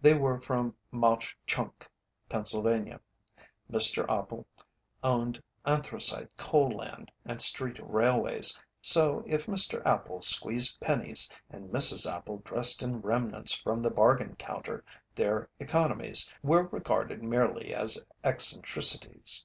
They were from Mauch Chunk, Pennsylvania. Mr. Appel owned anthracite coal land and street railways, so if Mr. Appel squeezed pennies and Mrs. Appel dressed in remnants from the bargain counter their economies were regarded merely as eccentricities.